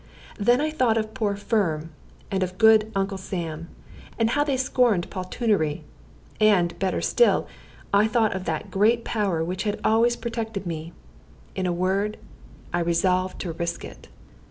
Then I thought of poor Firm, and of good Uncle Sam, and how they scorned poltroonery; and, better still, I thought of that great Power which always had protected me: in a word, I resolved to risk it.